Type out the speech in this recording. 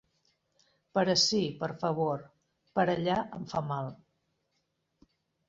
Per ací, per favor. Per allà em fa mal.